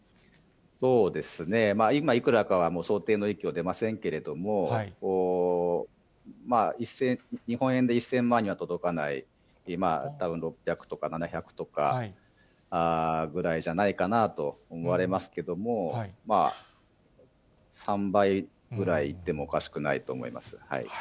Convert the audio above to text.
そうですね、今いくらかはもう想定の域を出ませんけれども、日本円で１０００万には届かない、たぶん６００とか７００とかぐらいじゃないかなと思われますけども、３倍ぐらいでもおかしくないと思います。